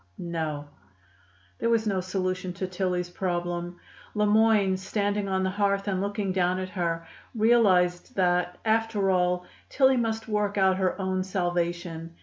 "No." There was no solution to Tillie's problem. Le Moyne, standing on the hearth and looking down at her, realized that, after all, Tillie must work out her own salvation.